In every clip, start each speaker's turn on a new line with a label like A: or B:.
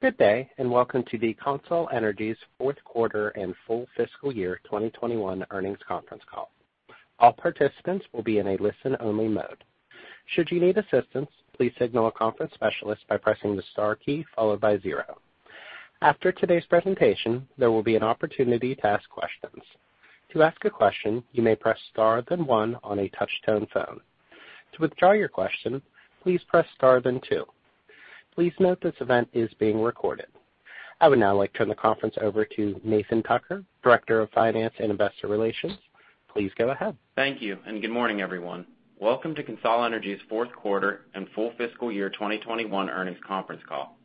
A: Good day, and welcome to the CONSOL Energy's fourth quarter and full fiscal year 2021 earnings conference call. All participants will be in a listen-only mode. Should you need assistance, please signal a conference specialist by pressing the star key followed by zero. After today's presentation, there will be an opportunity to ask questions. To ask a question, you may press star then one on a touch-tone phone. To withdraw your question, please press star then two. Please note this event is being recorded. I would now like to turn the conference over to Nathan Tucker, Director of Finance and Investor Relations. Please go ahead.
B: Thank you, and good morning, everyone. Welcome to CONSOL Energy's fourth quarter and full fiscal year 2021 earnings conference call.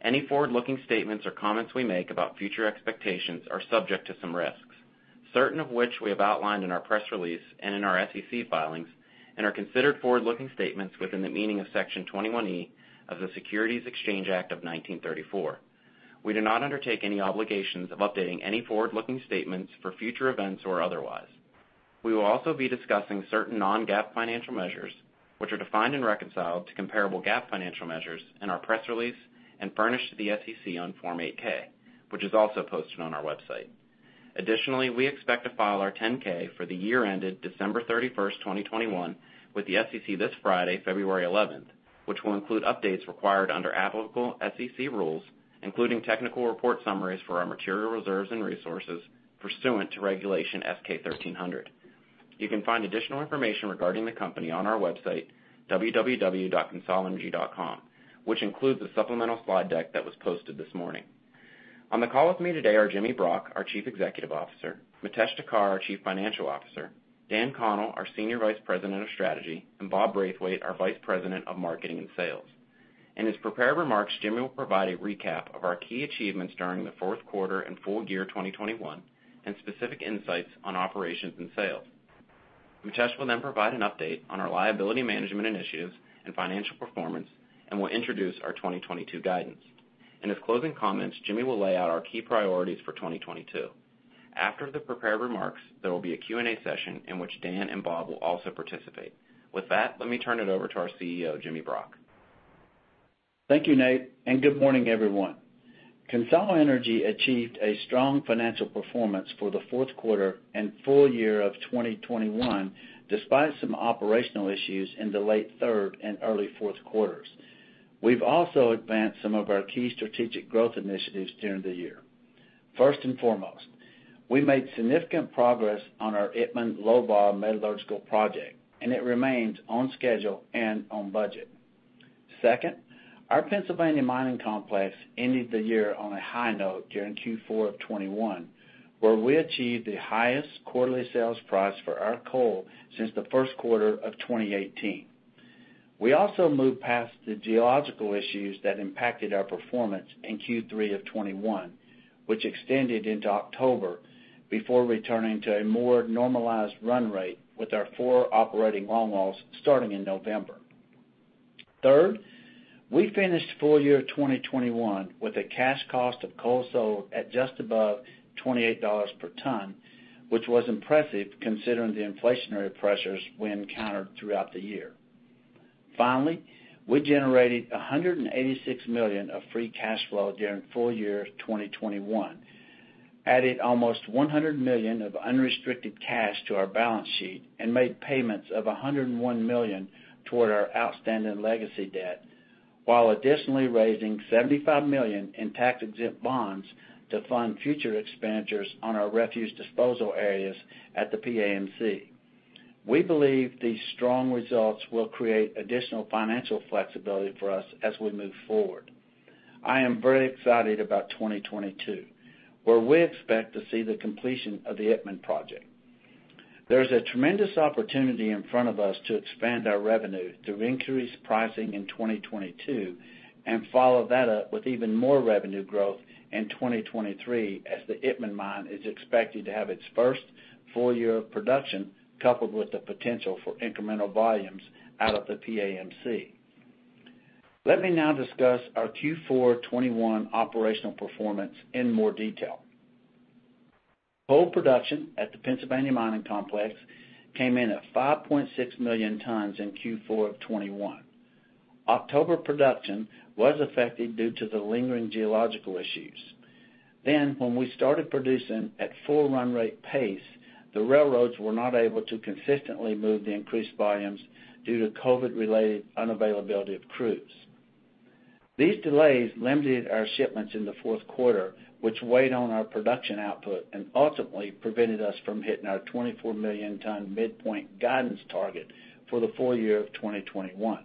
B: Any forward-looking statements or comments we make about future expectations are subject to some risks. Certain of which we have outlined in our press release and in our SEC filings and are considered forward-looking statements within the meaning of Section 21E of the Securities Exchange Act of 1934. We do not undertake any obligations of updating any forward-looking statements for future events or otherwise. We will also be discussing certain non-GAAP financial measures, which are defined and reconciled to comparable GAAP financial measures in our press release and furnished to the SEC on Form 8-K, which is also posted on our website. Additionally, we expect to file our 10-K for the year ended December 31, 2021 with the SEC this Friday, February 11, which will include updates required under applicable SEC rules, including technical report summaries for our material reserves and resources pursuant to Regulation S-K 1300. You can find additional information regarding the company on our website, www.consolenergy.com, which includes the supplemental slide deck that was posted this morning. On the call with me today are Jimmy Brock, our Chief Executive Officer, Mitesh Thakkar, our Chief Financial Officer, Dan Connell, our Senior Vice President of Strategy, and Bob Braithwaite, our Vice President of Marketing and Sales. In his prepared remarks, Jimmy will provide a recap of our key achievements during the fourth quarter and full year 2021 and specific insights on operations and sales. Mitesh will then provide an update on our liability management initiatives and financial performance and will introduce our 2022 guidance. In his closing comments, Jimmy will lay out our key priorities for 2022. After the prepared remarks, there will be a Q&A session in which Dan and Bob will also participate. With that, let me turn it over to our CEO, Jimmy Brock.
C: Thank you, Nate, and good morning, everyone. CONSOL Energy achieved a strong financial performance for the fourth quarter and full year of 2021, despite some operational issues in the late third and early fourth quarters. We've also advanced some of our key strategic growth initiatives during the year. First and foremost, we made significant progress on our Itmann low-vol metallurgical project, and it remains on schedule and on budget. Second, our Pennsylvania Mining Complex ended the year on a high note during Q4 of 2021, where we achieved the highest quarterly sales price for our coal since the first quarter of 2018. We also moved past the geological issues that impacted our performance in Q3 of 2021, which extended into October before returning to a more normalized run rate with our four operating long walls starting in November. Third, we finished full year 2021 with a cash cost of coal sold at just above $28 per ton, which was impressive considering the inflationary pressures we encountered throughout the year. Finally, we generated $186 million of free cash flow during full year 2021, added almost $100 million of unrestricted cash to our balance sheet, and made payments of $101 million toward our outstanding legacy debt, while additionally raising $75 million in tax-exempt bonds to fund future expenditures on our refuse disposal areas at the PAMC. We believe these strong results will create additional financial flexibility for us as we move forward. I am very excited about 2022, where we expect to see the completion of the Itmann project. There is a tremendous opportunity in front of us to expand our revenue through increased pricing in 2022 and follow that up with even more revenue growth in 2023 as the Itmann mine is expected to have its first full year of production, coupled with the potential for incremental volumes out of the PAMC. Let me now discuss our Q4 2021 operational performance in more detail. Coal production at the Pennsylvania Mining Complex came in at 5.6 million tons in Q4 of 2021. October production was affected due to the lingering geological issues. When we started producing at full run rate pace, the railroads were not able to consistently move the increased volumes due to COVID-related unavailability of crews. These delays limited our shipments in the fourth quarter, which weighed on our production output and ultimately prevented us from hitting our 24 million ton midpoint guidance target for the full year of 2021.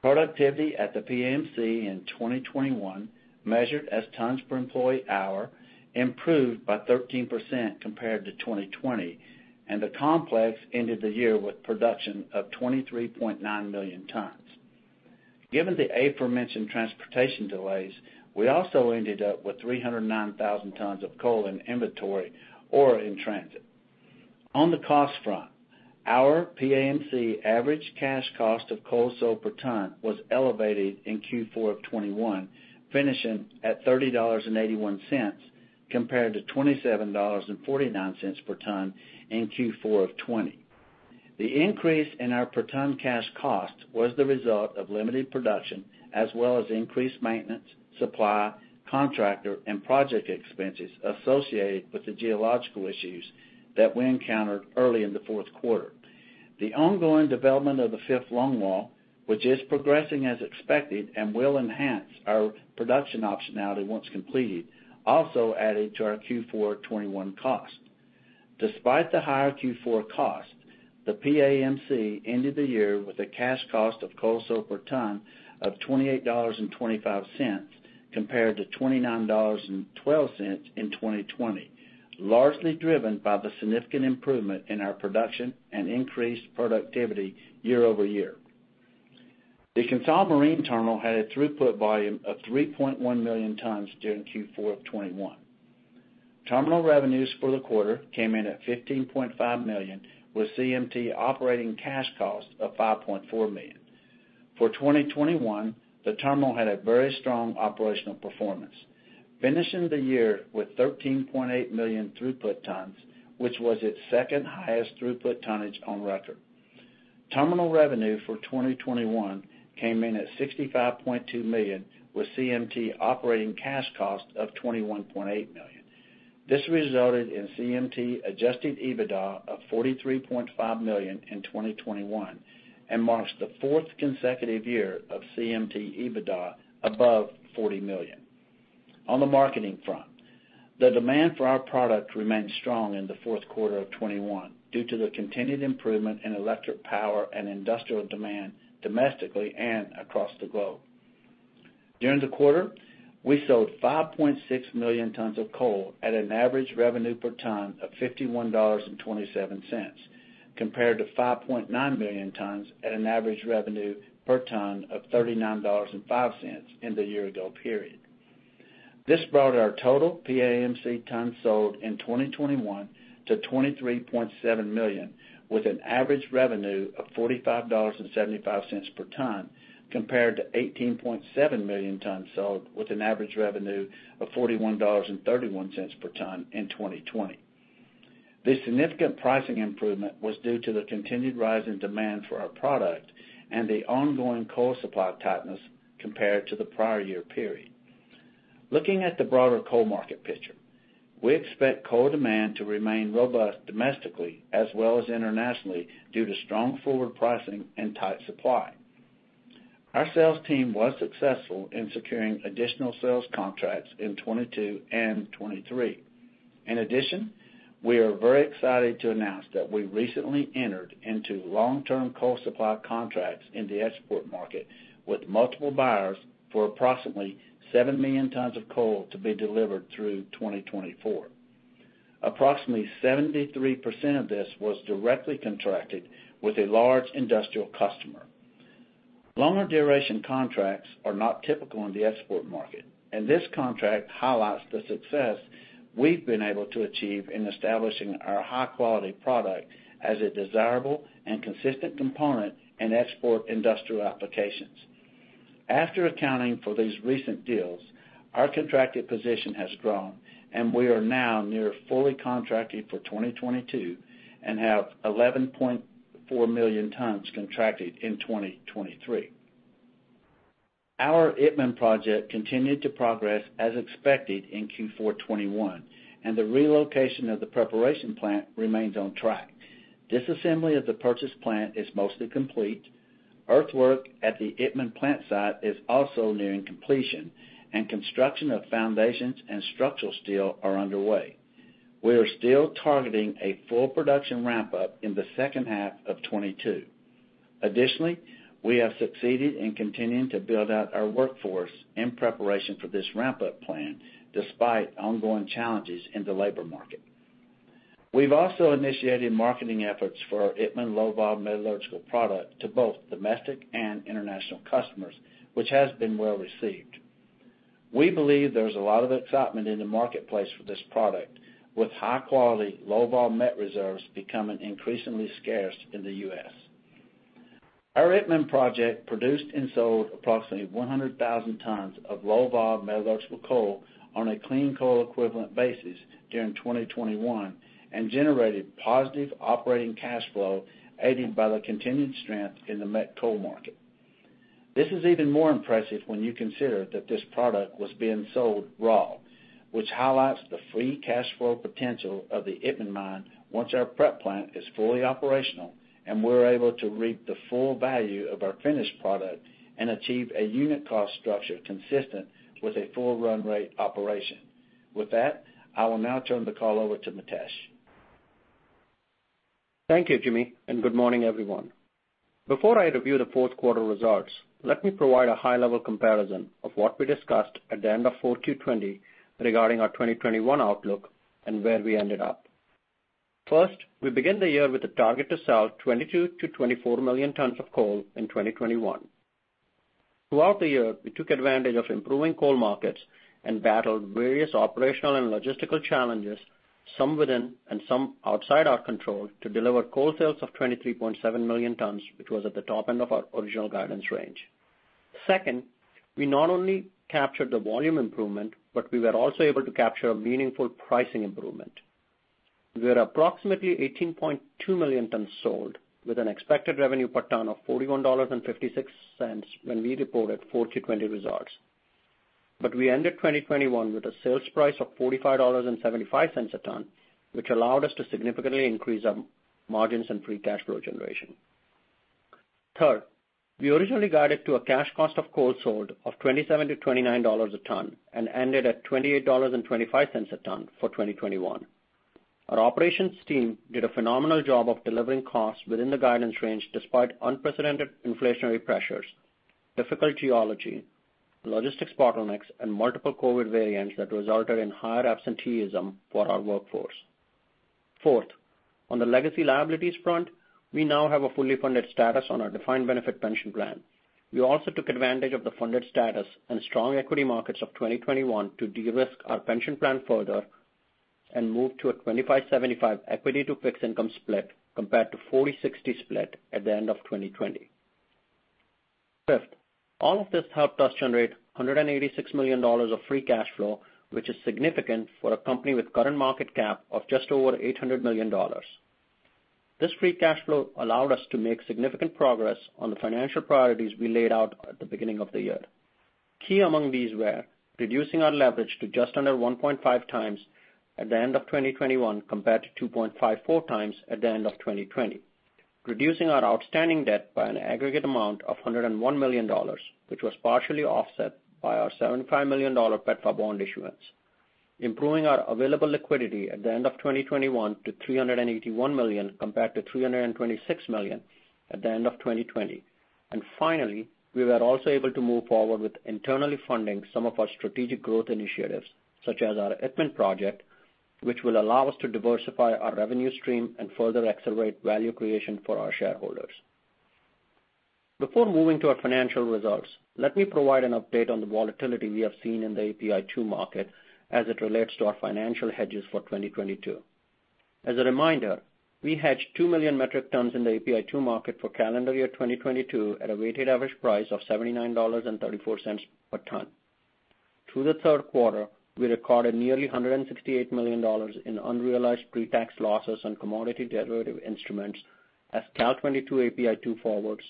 C: Productivity at the PAMC in 2021, measured as tons per employee hour, improved by 13% compared to 2020, and the complex ended the year with production of 23.9 million tons. Given the aforementioned transportation delays, we also ended up with 309,000 tons of coal in inventory or in transit. On the cost front, our PAMC average cash cost of coal sold per ton was elevated in Q4 of 2021, finishing at $30.81 compared to $27.49 per ton in Q4 of 2020. The increase in our per ton cash cost was the result of limited production, as well as increased maintenance, supply, contractor, and project expenses associated with the geological issues that we encountered early in the fourth quarter. The ongoing development of the fifth longwall, which is progressing as expected and will enhance our production optionality once completed, also added to our Q4 2021 cost. Despite the higher Q4 cost, the PAMC ended the year with a cash cost of coal sold per ton of $28.25 compared to $29.12 in 2020, largely driven by the significant improvement in our production and increased productivity year-over-year. The CONSOL Marine Terminal had a throughput volume of 3.1 million tons during Q4 of 2021. Terminal revenues for the quarter came in at $15.5 million, with CMT operating cash costs of $5.4 million. For 2021, the terminal had a very strong operational performance, finishing the year with 13.8 million throughput tons, which was its second highest throughput tonnage on record. Terminal revenue for 2021 came in at $65.2 million, with CMT operating cash cost of $21.8 million. This resulted in CMT adjusted EBITDA of $43.5 million in 2021 and marks the fourth consecutive year of CMT EBITDA above $40 million. On the marketing front, the demand for our product remained strong in the fourth quarter of 2021 due to the continued improvement in electric power and industrial demand domestically and across the globe. During the quarter, we sold 5.6 million tons of coal at an average revenue per ton of $51.27, compared to 5.9 million tons at an average revenue per ton of $39.05 in the year ago period. This brought our total PAMC tons sold in 2021 to 23.7 million, with an average revenue of $45.75 per ton, compared to 18.7 million tons sold with an average revenue of $41.31 per ton in 2020. This significant pricing improvement was due to the continued rise in demand for our product and the ongoing coal supply tightness compared to the prior year period. Looking at the broader coal market picture, we expect coal demand to remain robust domestically as well as internationally due to strong forward pricing and tight supply. Our sales team was successful in securing additional sales contracts in 2022 and 2023. In addition, we are very excited to announce that we recently entered into long-term coal supply contracts in the export market with multiple buyers for approximately 7 million tons of coal to be delivered through 2024. Approximately 73% of this was directly contracted with a large industrial customer. Longer duration contracts are not typical in the export market, and this contract highlights the success we've been able to achieve in establishing our high-quality product as a desirable and consistent component in export industrial applications. After accounting for these recent deals, our contracted position has grown, and we are now near fully contracted for 2022 and have 11.4 million tons contracted in 2023. Our Itmann project continued to progress as expected in Q4 2021, and the relocation of the preparation plant remains on track. Disassembly of the preparation plant is mostly complete. Earthwork at the Itmann plant site is also nearing completion, and construction of foundations and structural steel are underway. We are still targeting a full production ramp up in the second half of 2022. Additionally, we have succeeded in continuing to build out our workforce in preparation for this ramp up plan despite ongoing challenges in the labor market. We've also initiated marketing efforts for our Itmann low-vol metallurgical product to both domestic and international customers, which has been well-received. We believe there's a lot of excitement in the marketplace for this product, with high-quality, low-vol met reserves becoming increasingly scarce in the U.S. Our Itmann project produced and sold approximately 100,000 tons of low-vol metallurgical coal on a clean coal equivalent basis during 2021 and generated positive operating cash flow, aided by the continued strength in the met coal market. This is even more impressive when you consider that this product was being sold raw, which highlights the free cash flow potential of the Itmann mine once our prep plant is fully operational and we're able to reap the full value of our finished product and achieve a unit cost structure consistent with a full run rate operation. With that, I will now turn the call over to Mitesh.
D: Thank you, Jimmy, and good morning, everyone. Before I review the fourth quarter results, let me provide a high-level comparison of what we discussed at the end of Q4 2020 regarding our 2021 outlook and where we ended up. First, we began the year with a target to sell 22-24 million tons of coal in 2021. Throughout the year, we took advantage of improving coal markets and battled various operational and logistical challenges, some within and some outside our control, to deliver coal sales of 23.7 million tons, which was at the top end of our original guidance range. Second, we not only captured the volume improvement, but we were also able to capture a meaningful pricing improvement. We are approximately 18.2 million tons sold with an expected revenue per ton of $41.56 when we reported 4Q 2020 results. We ended 2021 with a sales price of $45.75 a ton, which allowed us to significantly increase our margins and free cash flow generation. Third, we originally guided to a cash cost of coal sold of $27-$29 a ton and ended at $28.25 a ton for 2021. Our operations team did a phenomenal job of delivering costs within the guidance range despite unprecedented inflationary pressures, difficult geology, logistics bottlenecks, and multiple COVID variants that resulted in higher absenteeism for our workforce. Fourth, on the legacy liabilities front, we now have a fully funded status on our defined benefit pension plan. We also took advantage of the funded status and strong equity markets of 2021 to de-risk our pension plan further and move to a 25-75 equity to fixed income split compared to 40-60 split at the end of 2020. Fifth, all of this helped us generate $186 million of free cash flow, which is significant for a company with current market cap of just over $800 million. This free cash flow allowed us to make significant progress on the financial priorities we laid out at the beginning of the year. Key among these were reducing our leverage to just under 1.5x at the end of 2021 compared to 2.54x at the end of 2020. Reducing our outstanding debt by an aggregate amount of $101 million, which was partially offset by our $75 million PEDFA bond issuance. Improving our available liquidity at the end of 2021 to $381 million compared to $326 million at the end of 2020. Finally, we were also able to move forward with internally funding some of our strategic growth initiatives, such as our Itmann project, which will allow us to diversify our revenue stream and further accelerate value creation for our shareholders. Before moving to our financial results, let me provide an update on the volatility we have seen in the API2 market as it relates to our financial hedges for 2022. As a reminder, we hedged 2 million metric tons in the API2 market for calendar year 2022 at a weighted average price of $79.34 per ton. Through the third quarter, we recorded nearly $168 million in unrealized pre-tax losses on commodity derivative instruments as Cal-22 API2 forwards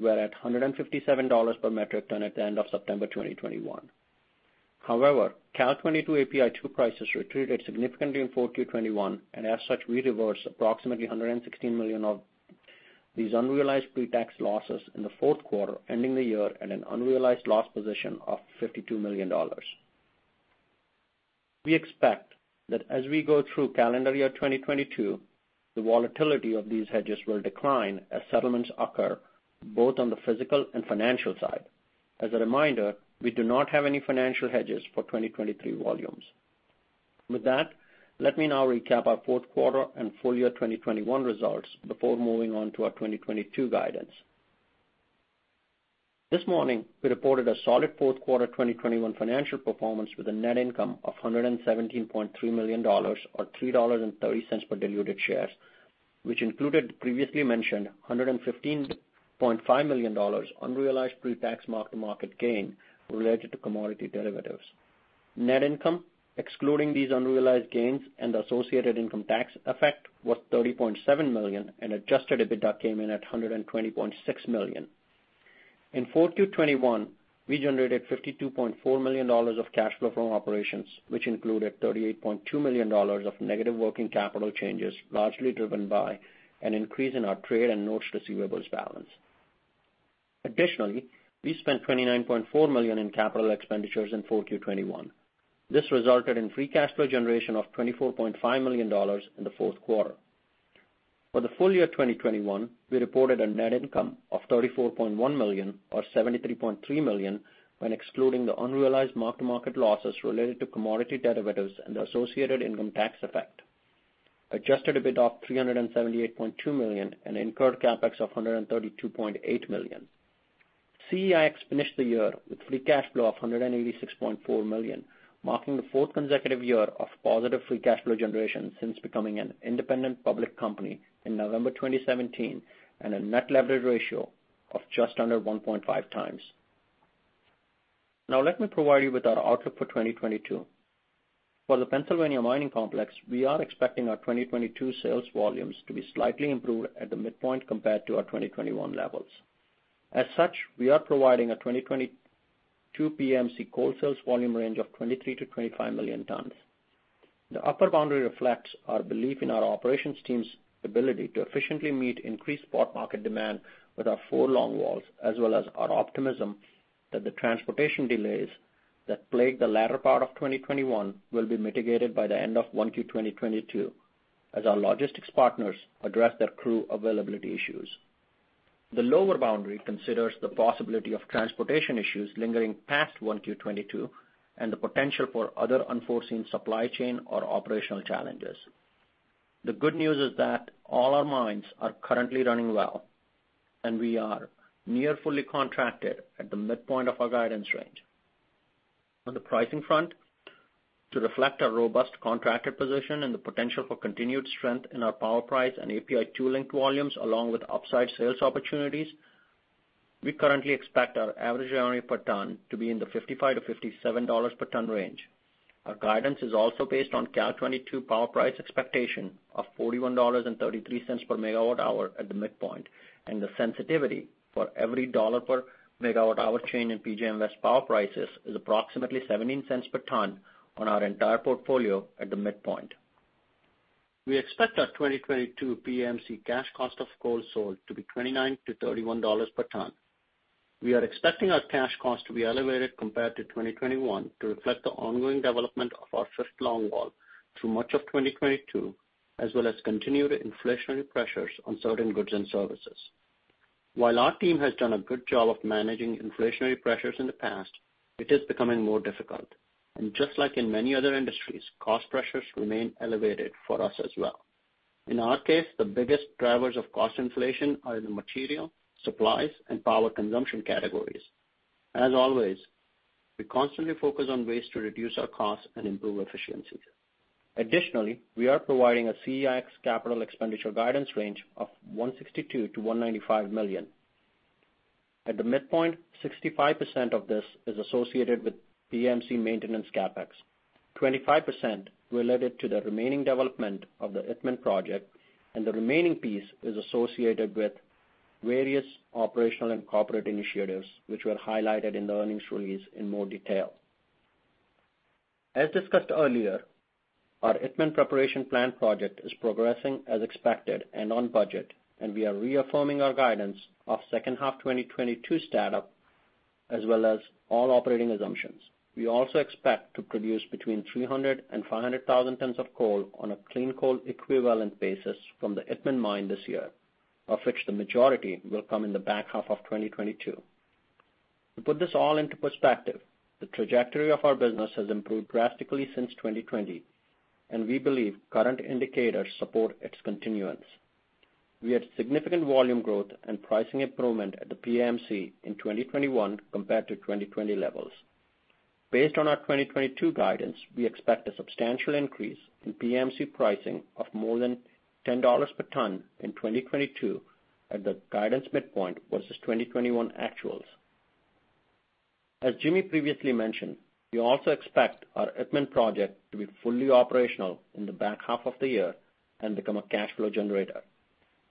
D: were at $157 per metric ton at the end of September 2021. However, Cal-22 API2 prices retreated significantly in Q4 2021, and as such, we reversed approximately $116 million of these unrealized pre-tax losses in the fourth quarter, ending the year at an unrealized loss position of $52 million. We expect that as we go through calendar year 2022, the volatility of these hedges will decline as settlements occur both on the physical and financial side. As a reminder, we do not have any financial hedges for 2023 volumes. With that, let me now recap our fourth quarter and full year 2021 results before moving on to our 2022 guidance. This morning we reported a solid fourth quarter 2021 financial performance with a net income of $117.3 million, or $3.30 per diluted share, which included previously mentioned $115.5 million unrealized pre-tax mark-to-market gain related to commodity derivatives. Net income, excluding these unrealized gains and the associated income tax effect, was $30.7 million and adjusted EBITDA came in at $120.6 million. In Q4 2021, we generated $52.4 million of cash flow from operations, which included $38.2 million of negative working capital changes, largely driven by an increase in our trade and notes receivables balance. Additionally, we spent $29.4 million in capital expenditures in Q4 2021. This resulted in free cash flow generation of $24.5 million in the fourth quarter. For the full year 2021, we reported a net income of $34.1 million or $73.3 million when excluding the unrealized mark-to-market losses related to commodity derivatives and the associated income tax effect. Adjusted EBITDA of $378.2 million and incurred CapEx of $132.8 million. CEIX finished the year with free cash flow of $186.4 million, marking the fourth consecutive year of positive free cash flow generation since becoming an independent public company in November 2017, and a net leverage ratio of just under 1.5x. Now let me provide you with our outlook for 2022. For the Pennsylvania Mining Complex, we are expecting our 2022 sales volumes to be slightly improved at the midpoint compared to our 2021 levels. As such, we are providing a 2022 PMC coal sales volume range of 23-25 million tons. The upper boundary reflects our belief in our operations team's ability to efficiently meet increased spot market demand with our four longwalls, as well as our optimism that the transportation delays that plagued the latter part of 2021 will be mitigated by the end of Q1 2022 as our logistics partners address their crew availability issues. The lower boundary considers the possibility of transportation issues lingering past Q1 2022 and the potential for other unforeseen supply chain or operational challenges. The good news is that all our mines are currently running well and we are near fully contracted at the midpoint of our guidance range. On the pricing front, to reflect our robust contracted position and the potential for continued strength in our power price and API2 volumes along with upside sales opportunities, we currently expect our average revenue per ton to be in the $55-$57 per ton range. Our guidance is also based on Cal-22 power price expectation of $41.33 per MW hour at the midpoint, and the sensitivity for every $1 per megawatt hour change in PJM West power prices is approximately $0.17 per ton on our entire portfolio at the midpoint. We expect our 2022 PAMC cash cost of coal sold to be $29-$31 per ton. We are expecting our cash cost to be elevated compared to 2021 to reflect the ongoing development of our fifth longwall through much of 2022, as well as continued inflationary pressures on certain goods and services. While our team has done a good job of managing inflationary pressures in the past, it is becoming more difficult. Just like in many other industries, cost pressures remain elevated for us as well. In our case, the biggest drivers of cost inflation are the material, supplies, and power consumption categories. As always, we constantly focus on ways to reduce our costs and improve efficiencies. Additionally, we are providing a CapEx capital expenditure guidance range of $162 million-$195 million. At the midpoint, 65% of this is associated with PAMC maintenance CapEx, 25% related to the remaining development of the Itmann project, and the remaining piece is associated with various operational and corporate initiatives which were highlighted in the earnings release in more detail. As discussed earlier, our Itmann preparation plan project is progressing as expected and on budget, and we are reaffirming our guidance of second half 2022 startup, as well as all operating assumptions. We also expect to produce between 300,000 and 500,000 tons of coal on a clean coal equivalent basis from the Itmann mine this year, of which the majority will come in the back half of 2022. To put this all into perspective, the trajectory of our business has improved drastically since 2020, and we believe current indicators support its continuance. We had significant volume growth and pricing improvement at the PAMC in 2021 compared to 2020 levels. Based on our 2022 guidance, we expect a substantial increase in PAMC pricing of more than $10 per ton in 2022 at the guidance midpoint versus 2021 actuals. As Jimmy previously mentioned, we also expect our Itmann project to be fully operational in the back half of the year and become a cash flow generator.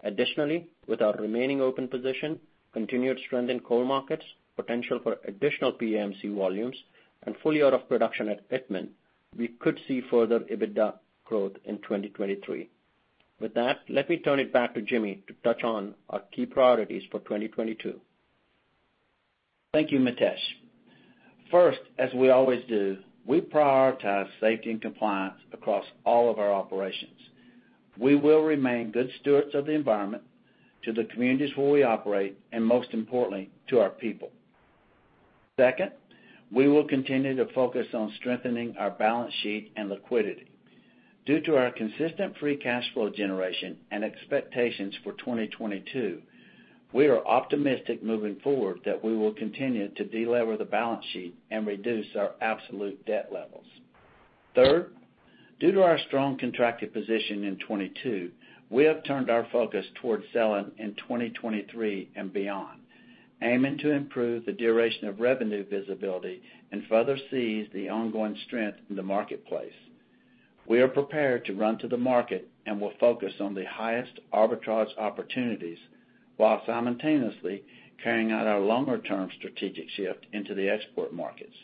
D: Additionally, with our remaining open position, continued strength in coal markets, potential for additional PAMC volumes and fully out of production at Itmann, we could see further EBITDA growth in 2023. With that, let me turn it back to Jimmy to touch on our key priorities for 2022.
C: Thank you, Mitesh. First, as we always do, we prioritize safety and compliance across all of our operations. We will remain good stewards of the environment to the communities where we operate, and most importantly, to our people. Second, we will continue to focus on strengthening our balance sheet and liquidity. Due to our consistent free cash flow generation and expectations for 2022, we are optimistic moving forward that we will continue to delever the balance sheet and reduce our absolute debt levels. Third, due to our strong contracted position in 2022, we have turned our focus towards selling in 2023 and beyond, aiming to improve the duration of revenue visibility and further seize the ongoing strength in the marketplace. We are prepared to run to the market and will focus on the highest arbitrage opportunities while simultaneously carrying out our longer term strategic shift into the export markets.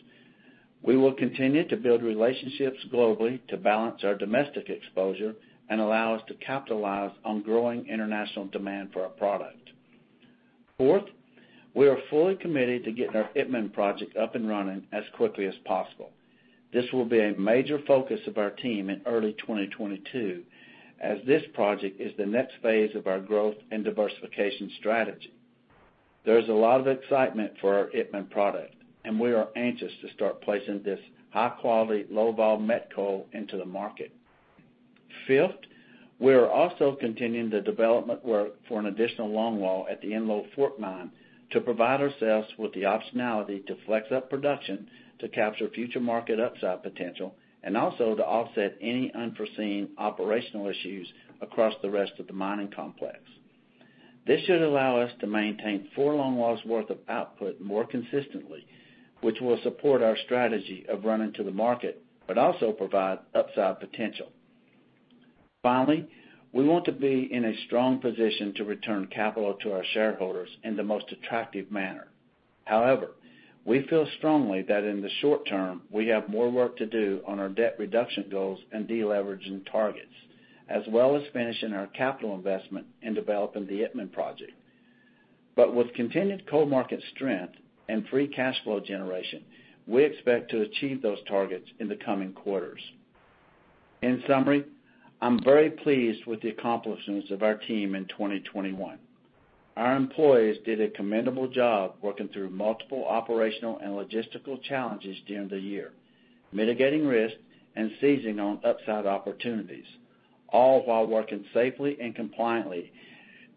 C: We will continue to build relationships globally to balance our domestic exposure and allow us to capitalize on growing international demand for our product. Fourth, we are fully committed to getting our Itmann project up and running as quickly as possible. This will be a major focus of our team in early 2022, as this project is the next phase of our growth and diversification strategy. There is a lot of excitement for our Itmann product and we are anxious to start placing this high-quality, low-vol met coal into the market. Fifth, we are also continuing the development work for an additional longwall at the Enlow Fork mine to provide ourselves with the optionality to flex up production to capture future market upside potential and also to offset any unforeseen operational issues across the rest of the mining complex. This should allow us to maintain four longwalls worth of output more consistently, which will support our strategy of running to the market, but also provide upside potential. Finally, we want to be in a strong position to return capital to our shareholders in the most attractive manner. However, we feel strongly that in the short term, we have more work to do on our debt reduction goals and deleveraging targets, as well as finishing our capital investment in developing the Itmann project. With continued coal market strength and free cash flow generation, we expect to achieve those targets in the coming quarters. In summary, I'm very pleased with the accomplishments of our team in 2021. Our employees did a commendable job working through multiple operational and logistical challenges during the year, mitigating risk and seizing on upside opportunities, all while working safely and compliantly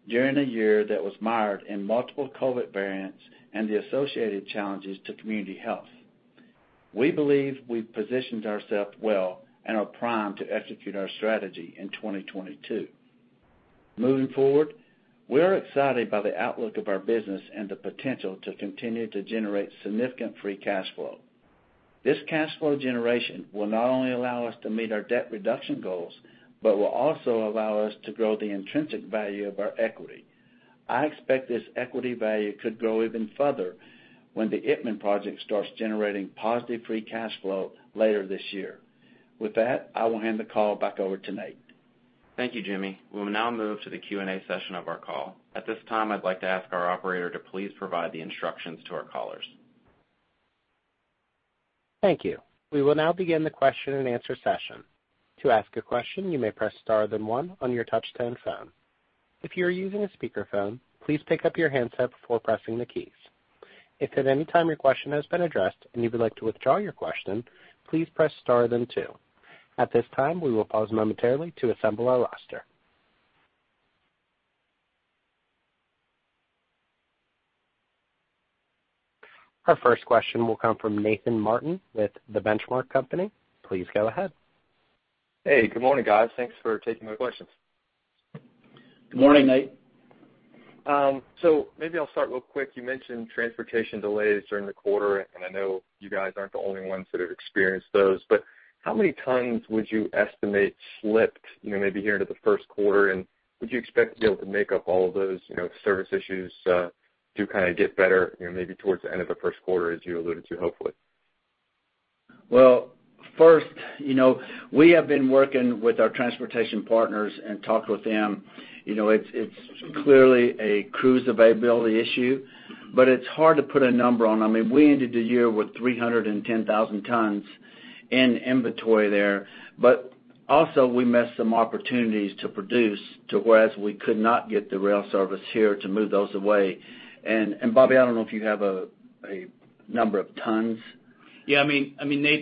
C: during a year that was mired in multiple COVID variants and the associated challenges to community health. We believe we've positioned ourselves well and are primed to execute our strategy in 2022. Moving forward, we are excited by the outlook of our business and the potential to continue to generate significant free cash flow. This cash flow generation will not only allow us to meet our debt reduction goals, but will also allow us to grow the intrinsic value of our equity. I expect this equity value could grow even further when the Itmann project starts generating positive free cash flow later this year. With that, I will hand the call back over to Nate.
B: Thank you, Jimmy. We will now move to the Q&A session of our call. At this time, I'd like to ask our operator to please provide the instructions to our callers.
A: Thank you. We will now begin the question-and-answer session. To ask a question, you may press star then one on your touch-tone phone. If you are using a speakerphone, please pick up your handset before pressing the keys. If at any time your question has been addressed and you would like to withdraw your question, please press star then two. At this time, we will pause momentarily to assemble our roster. Our first question will come from Nathan Martin with The Benchmark Company. Please go ahead.
E: Hey, good morning, guys. Thanks for taking my questions.
C: Good morning, Nate.
E: Maybe I'll start real quick. You mentioned transportation delays during the quarter, and I know you guys aren't the only ones that have experienced those. But how many tons would you estimate slipped, you know, maybe here into the first quarter? And would you expect to be able to make up all of those, you know, service issues, to kind of get better, you know, maybe towards the end of the first quarter as you alluded to, hopefully?
C: Well, first, you know, we have been working with our transportation partners and talked with them. You know, it's clearly a cars availability issue, but it's hard to put a number on them. I mean, we ended the year with 310,000 tons in inventory there. But also we missed some opportunities to produce, too, whereas we could not get the rail service here to move those away. Bob, I don't know if you have a number of tons.
F: Yeah, Nate,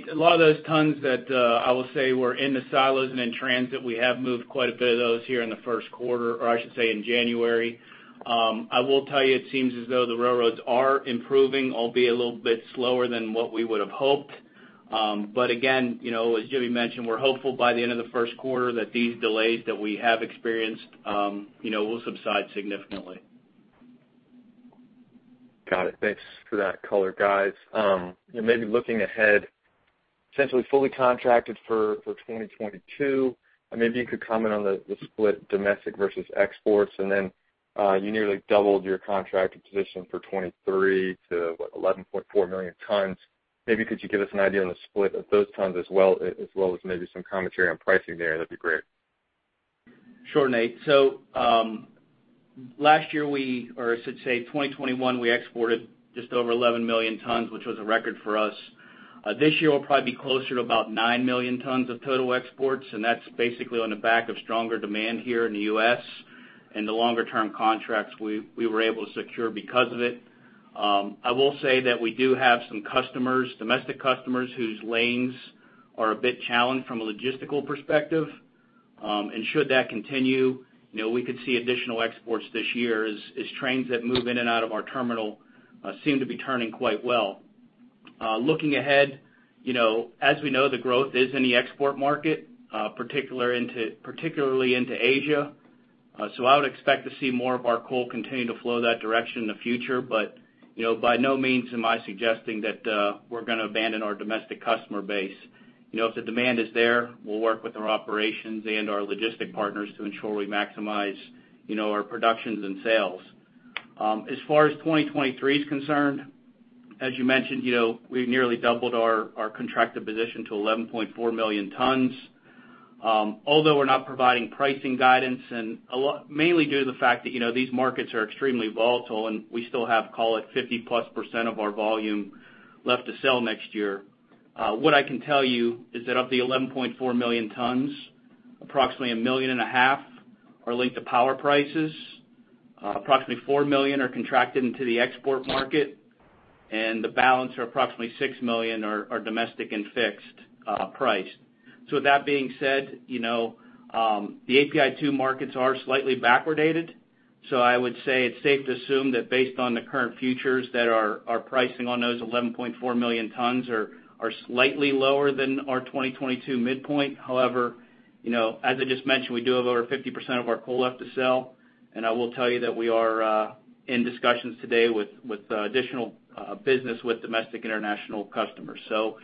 F: a lot of those tons that I will say were in the silos and in transit, we have moved quite a bit of those here in the first quarter, or I should say in January. I will tell you it seems as though the railroads are improving, albeit a little bit slower than what we would have hoped. Again, you know, as Jimmy mentioned, we're hopeful by the end of the first quarter that these delays that we have experienced, you know, will subside significantly.
E: Got it. Thanks for that color, guys. You know, maybe looking ahead, essentially fully contracted for 2022. Maybe you could comment on the split domestic versus exports. You nearly doubled your contracted position for 2023 to, what, 11.4 million tons. Maybe could you give us an idea on the split of those tons as well as maybe some commentary on pricing there? That'd be great.
F: Sure, Nate. Last year or I should say 2021, we exported just over 11 million tons, which was a record for us. This year we'll probably be closer to about 9 million tons of total exports, and that's basically on the back of stronger demand here in the U.S. and the longer-term contracts we were able to secure because of it. I will say that we do have some customers, domestic customers whose lanes are a bit challenged from a logistical perspective. Should that continue, you know, we could see additional exports this year as trains that move in and out of our terminal seem to be turning quite well. Looking ahead, you know, as we know, the growth is in the export market, particularly into Asia. I would expect to see more of our coal continue to flow that direction in the future. You know, by no means am I suggesting that we're gonna abandon our domestic customer base. You know, if the demand is there, we'll work with our operations and our logistics partners to ensure we maximize, you know, our production and sales. As far as 2023 is concerned, as you mentioned, you know, we've nearly doubled our contracted position to 11.4 million tons. Although we're not providing pricing guidance, and a lot mainly due to the fact that, you know, these markets are extremely volatile, and we still have, call it, 50%+ of our volume left to sell next year. What I can tell you is that of the 11.4 million tons, approximately 1.5 million are linked to power prices. Approximately 4 million are contracted into the export market, and the balance are approximately 6 million are domestic and fixed price. With that being said, you know, the API2 markets are slightly backwardated. I would say it's safe to assume that based on the current futures that our pricing on those 11.4 million tons are slightly lower than our 2022 midpoint. However, you know, as I just mentioned, we do have over 50% of our coal left to sell. I will tell you that we are in discussions today with additional business with domestic international customers. you know,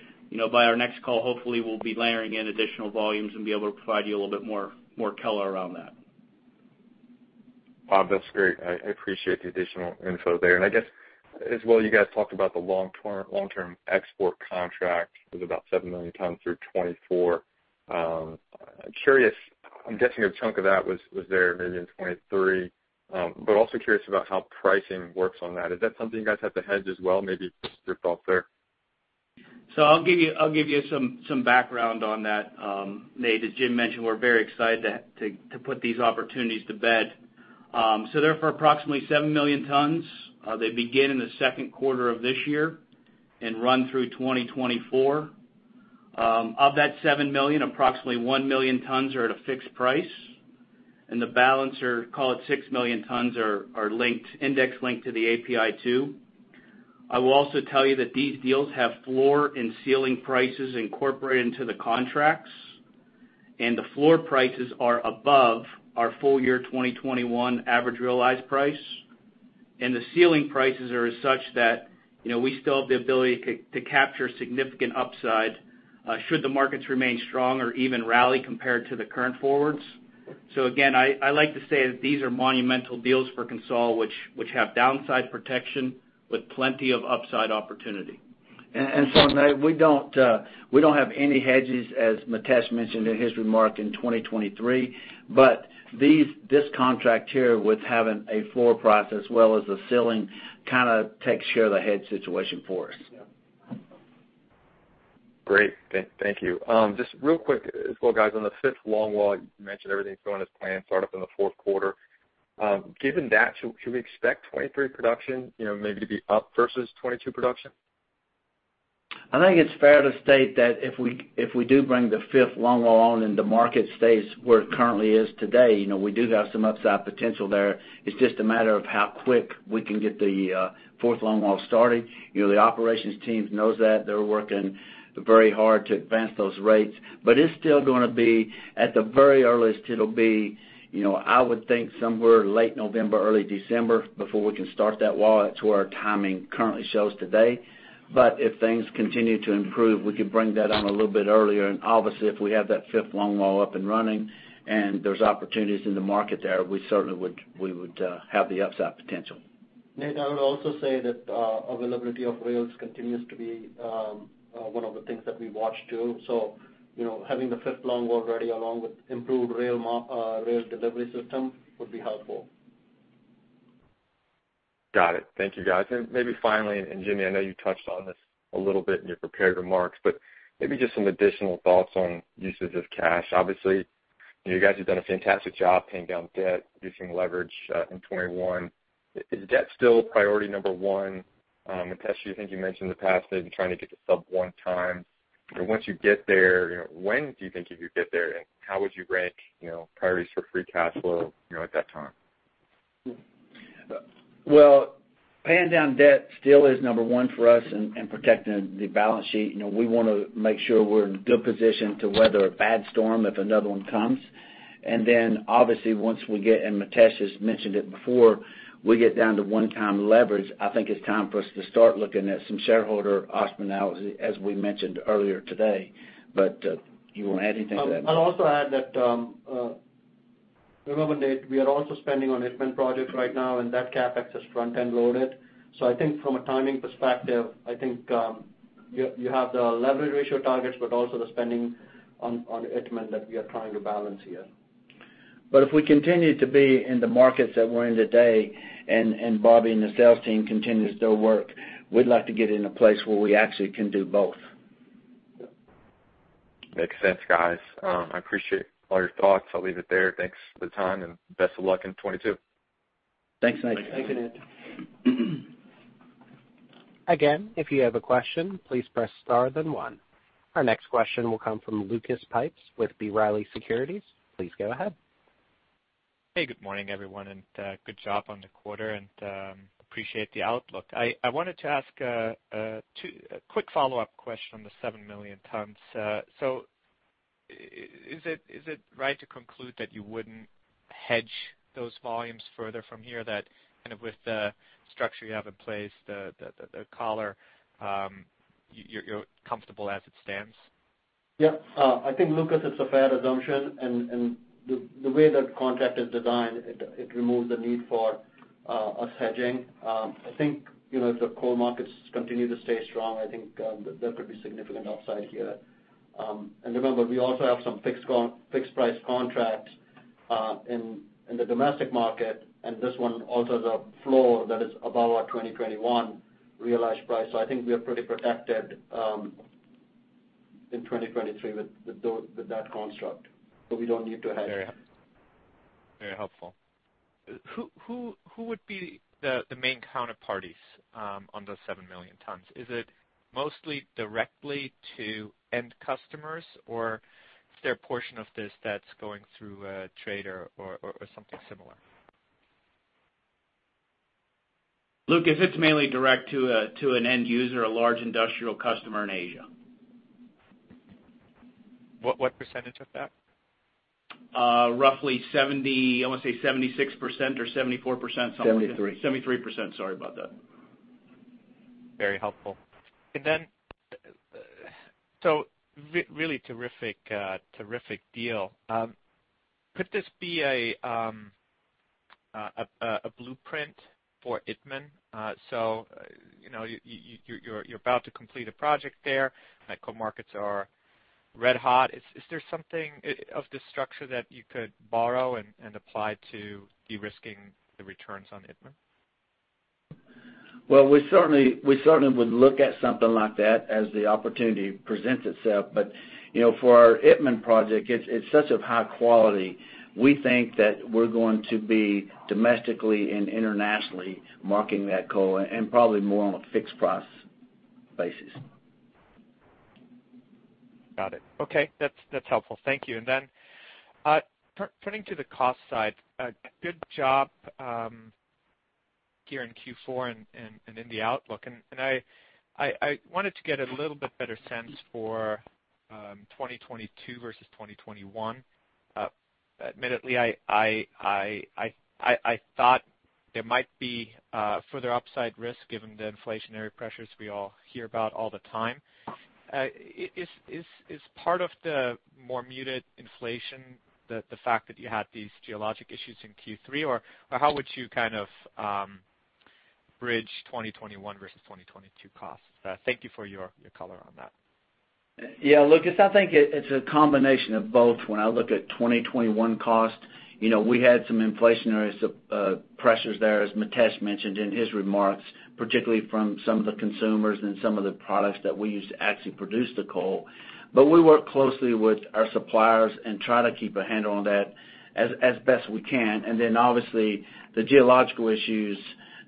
F: by our next call, hopefully we'll be layering in additional volumes and be able to provide you a little bit more color around that.
E: Bob, that's great. I appreciate the additional info there. I guess as well, you guys talked about the long-term export contract with about 7 million tons through 2024. I'm curious. I'm guessing a chunk of that was there maybe in 2023. Also curious about how pricing works on that. Is that something you guys have to hedge as well? Maybe just your thoughts there?
F: I'll give you some background on that, Nate. As Jim mentioned, we're very excited to put these opportunities to bed. They're for approximately 7 million tons. They begin in the second quarter of this year and run through 2024. Of that 7 million, approximately 1 million tons are at a fixed price, and the balance are, call it 6 million tons, index linked to the API2. I will also tell you that these deals have floor and ceiling prices incorporated into the contracts. The floor prices are above our full year 2021 average realized price. The ceiling prices are as such that, you know, we still have the ability to capture significant upside, should the markets remain strong or even rally compared to the current forwards. Again, I like to say that these are monumental deals for CONSOL, which have downside protection with plenty of upside opportunity.
C: Nate, we don't have any hedges, as Mitesh mentioned in his remark in 2023. This contract here with having a floor price as well as a ceiling kinda takes care of the hedge situation for us.
D: Yeah.
E: Great. Thank you. Just real quick as well, guys, on the fifth longwall, you mentioned everything's going as planned, start up in the fourth quarter. Given that, should we expect 2023 production, you know, maybe to be up versus 2022 production?
C: I think it's fair to state that if we do bring the fifth longwall on and the market stays where it currently is today, you know, we do have some upside potential there. It's just a matter of how quick we can get the fourth longwall started. You know, the operations teams knows that. They're working very hard to advance those rates. It's still gonna be, at the very earliest, it'll be, you know, I would think somewhere late November, early December before we can start that wall. That's where our timing currently shows today. If things continue to improve, we could bring that on a little bit earlier. Obviously, if we have that fifth longwall up and running, and there's opportunities in the market there, we certainly would have the upside potential.
D: Nate, I would also say that availability of rails continues to be one of the things that we watch too. You know, having the fifth longwall ready along with improved rail delivery system would be helpful.
E: Got it. Thank you, guys. Maybe finally, Jimmy, I know you touched on this a little bit in your prepared remarks, but maybe just some additional thoughts on usage of cash. Obviously, you know, you guys have done a fantastic job paying down debt, reducing leverage, in 2021. Is debt still priority number one? Mitesh, I think you mentioned in the past that you're trying to get to sub one times. You know, once you get there, you know, when do you think you could get there? And how would you rank, you know, priorities for free cash flow, you know, at that time?
C: Well, paying down debt still is number one for us in protecting the balance sheet. You know, we wanna make sure we're in a good position to weather a bad storm if another one comes. Obviously, once we get, and Mitesh has mentioned it before, we get down to one time leverage, I think it's time for us to start looking at some shareholder optimism now, as we mentioned earlier today. You wanna add anything to that?
D: I'll also add that, remember, Nate, we are also spending on Itmann project right now, and that CapEx is front end loaded. I think from a timing perspective, you have the leverage ratio targets, but also the spending on Itmann that we are trying to balance here.
C: If we continue to be in the markets that we're in today, and Bob and the sales team continue to do work, we'd like to get in a place where we actually can do both.
E: Makes sense, guys. I appreciate all your thoughts. I'll leave it there. Thanks for the time, and best of luck in 2022.
C: Thanks, Nate.
D: Thank you, Nate.
A: Again, if you have a question, please press star then one. Our next question will come from Lucas Pipes with B. Riley Securities. Please go ahead.
G: Hey, good morning, everyone, and good job on the quarter and appreciate the outlook. I wanted to ask a quick follow-up question on the 7 million tons. Is it right to conclude that you wouldn't hedge those volumes further from here, that kind of with the structure you have in place, the collar, you're comfortable as it stands?
D: Yeah. I think, Lucas, it's a fair assumption. The way that contract is designed, it removes the need for us hedging. I think, you know, if the coal markets continue to stay strong, I think there could be significant upside here. Remember, we also have some fixed price contracts in the domestic market, and this one also has a floor that is above our 2021 realized price. I think we are pretty protected in 2023 with that construct, so we don't need to hedge.
G: Very helpful. Who would be the main counterparties on the 7 million tons? Is it mostly directly to end customers, or is there a portion of this that's going through a trader or something similar?
C: Lucas, it's mainly direct to an end user, a large industrial customer in Asia.
G: What percentage of that?
C: I wanna say 76% or 74%, something.
D: 73%.
C: 73%, sorry about that.
G: Very helpful. Really terrific deal. Could this be a blueprint for Itmann? You know, you're about to complete a project there. Coal markets are red hot. Is there something of this structure that you could borrow and apply to de-risking the returns on Itmann?
C: Well, we certainly would look at something like that as the opportunity presents itself. You know, for our Itmann project, it's such high quality. We think that we're going to be domestically and internationally marketing that coal and probably more on a fixed price basis.
G: Got it. Okay. That's helpful. Thank you. Then, turning to the cost side, a good job here in Q4 and in the outlook. I wanted to get a little bit better sense for 2022 versus 2021. Admittedly, I thought there might be further upside risk given the inflationary pressures we all hear about all the time. Is part of the more muted inflation the fact that you had these geologic issues in Q3, or how would you kind of bridge 2021 versus 2022 costs? Thank you for your color on that.
C: I think it's a combination of both when I look at 2021 cost. You know, we had some inflationary pressures there, as Mitesh mentioned in his remarks, particularly from some of the consumables and some of the products that we use to actually produce the coal. We work closely with our suppliers and try to keep a handle on that as best we can. Obviously, the geological issues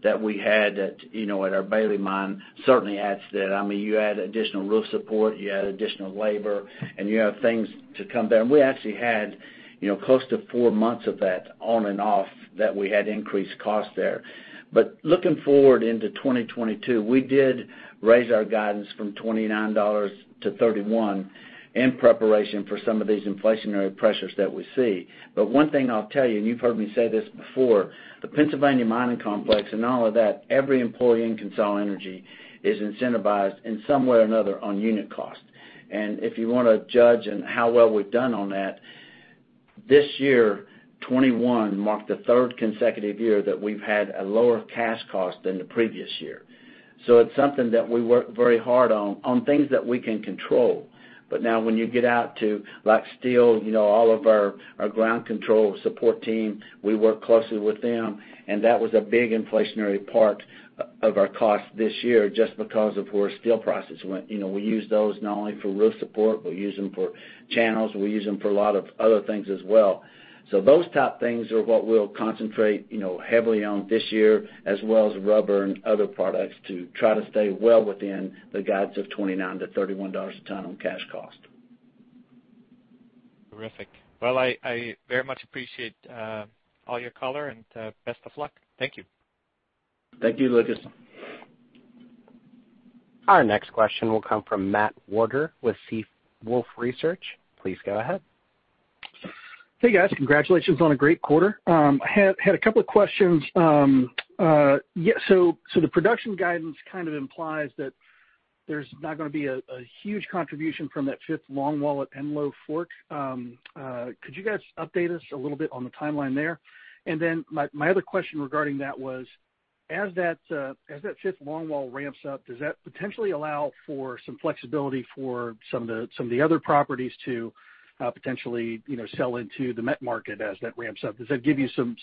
C: that we had at our Bailey mine certainly adds to that. I mean, you add additional roof support, you add additional labor, and you have things to come down. We actually had close to four months of that on and off that we had increased costs there. Looking forward into 2022, we did raise our guidance from $29 to $31 in preparation for some of these inflationary pressures that we see. One thing I'll tell you, and you've heard me say this before, the Pennsylvania Mining Complex and all of that, every employee in CONSOL Energy is incentivized in some way or another on unit cost. If you wanna judge on how well we've done on that, this year, 2021 marked the third consecutive year that we've had a lower cash cost than the previous year. It's something that we work very hard on things that we can control. Now when you get out to, like, steel, you know, all of our ground control support team, we work closely with them. That was a big inflationary part of our cost this year just because of where steel prices went. You know, we use those not only for roof support, we use them for channels, we use them for a lot of other things as well. Those type things are what we'll concentrate, you know, heavily on this year, as well as rubber and other products to try to stay well within the guides of $29-$31 a ton on cash cost.
G: Terrific. Well, I very much appreciate all your color and best of luck. Thank you.
C: Thank you, Lucas.
A: Our next question will come from Matt Warder with Seawolf Research. Please go ahead.
H: Hey, guys. Congratulations on a great quarter. Had a couple of questions. The production guidance kind of implies that there's not gonna be a huge contribution from that fifth longwall at Enlow Fork. Could you guys update us a little bit on the timeline there? My other question regarding that was, as that fifth longwall ramps up, does that potentially allow for some flexibility for some of the other properties to potentially you know sell into the met market as that ramps up? Does that give you some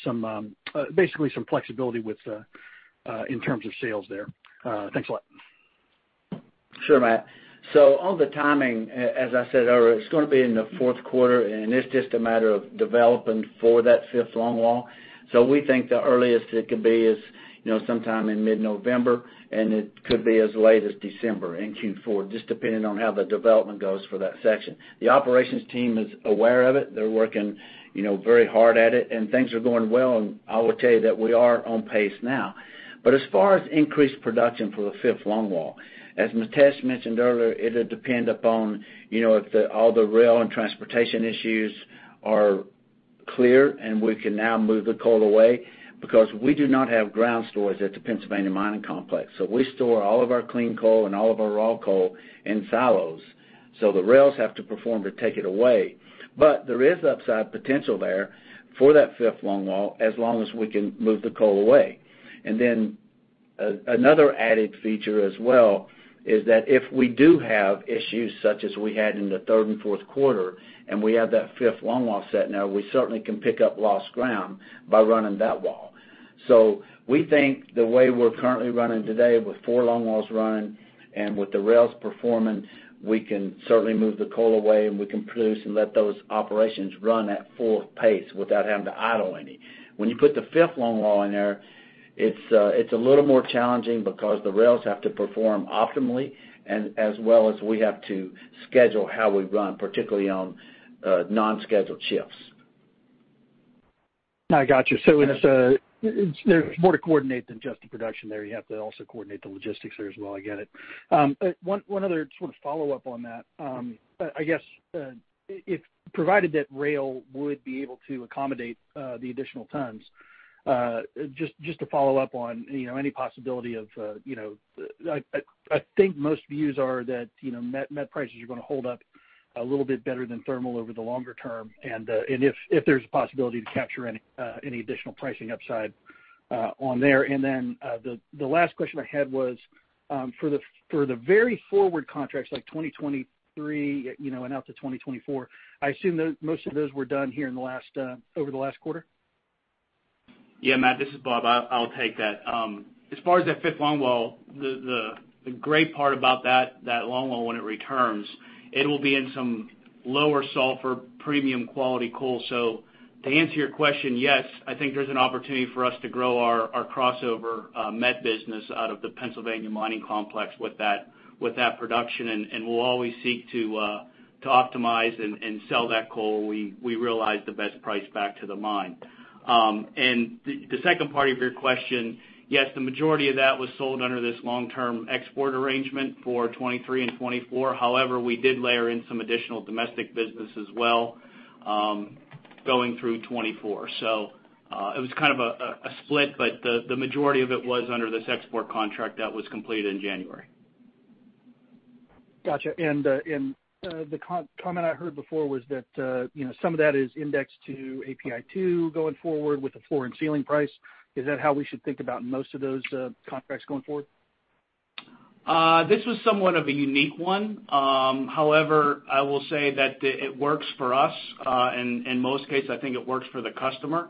H: basically some flexibility with in terms of sales there? Thanks a lot.
C: Sure, Matt. On the timing, as I said earlier, it's gonna be in the fourth quarter, and it's just a matter of developing for that fifth longwall. We think the earliest it could be is, you know, sometime in mid-November, and it could be as late as December in Q4, just depending on how the development goes for that section. The operations team is aware of it. They're working, you know, very hard at it, and things are going well, and I will tell you that we are on pace now. But as far as increased production for the fifth longwall, as Mitesh mentioned earlier, it'll depend upon, you know, if all the rail and transportation issues are clear, and we can now move the coal away because we do not have ground storage at the Pennsylvania Mining Complex. We store all of our clean coal and all of our raw coal in silos, so the rails have to perform to take it away. There is upside potential there for that fifth longwall as long as we can move the coal away. Another added feature as well is that if we do have issues such as we had in the third and fourth quarter, and we have that fifth longwall set now, we certainly can pick up lost ground by running that wall. We think the way we're currently running today with four longwalls running and with the rails performing, we can certainly move the coal away, and we can produce and let those operations run at full pace without having to idle any. When you put the fifth longwall in there, it's a little more challenging because the rails have to perform optimally and as well as we have to schedule how we run, particularly on non-scheduled shifts.
H: I got you. There's more to coordinate than just the production there. You have to also coordinate the logistics there as well. I get it. One other sort of follow-up on that, I guess if provided that rail would be able to accommodate the additional tons, just to follow up on, you know, any possibility of, you know I think most views are that, you know, met prices are gonna hold up a little bit better than thermal over the longer term and if there's a possibility to capture any any additional pricing upside on there? The last question I had was for the very forward contracts like 2023, you know, and out to 2024. I assume most of those were done here over the last quarter?
F: Yeah, Matt, this is Bob. I'll take that. As far as that fifth longwall, the great part about that longwall when it returns, it will be in some lower sulfur premium quality coal. To answer your question, yes, I think there's an opportunity for us to grow our crossover met business out of the Pennsylvania mining complex with that production. We'll always seek to optimize and sell that coal. We realize the best price back to the mine. The second part of your question, yes, the majority of that was sold under this long-term export arrangement for 2023 and 2024. However, we did layer in some additional domestic business as well, going through 2024. It was kind of a split, but the majority of it was under this export contract that was completed in January.
H: Gotcha. The comment I heard before was that, you know, some of that is indexed to API2 going forward with the floor and ceiling price. Is that how we should think about most of those contracts going forward?
F: This was somewhat of a unique one. However, I will say that it works for us. In most cases, I think it works for the customer.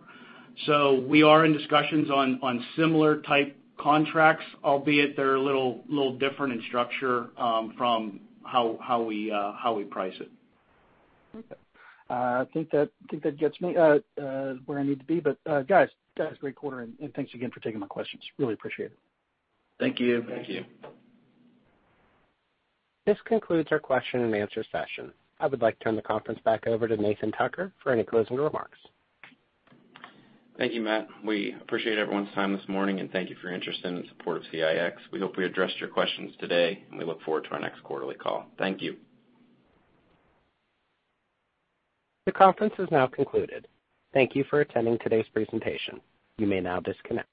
F: We are in discussions on similar type contracts, albeit they're a little different in structure from how we price it.
H: Okay. I think that gets me where I need to be. Guys, great quarter, and thanks again for taking my questions. Really appreciate it.
F: Thank you. Thank you.
A: This concludes our question-and-answer session. I would like to turn the conference back over to Nathan Tucker for any closing remarks.
B: Thank you, Matt. We appreciate everyone's time this morning, and thank you for your interest and support of CEIX. We hope we addressed your questions today, and we look forward to our next quarterly call. Thank you.
A: The conference is now concluded. Thank you for attending today's presentation. You may now disconnect.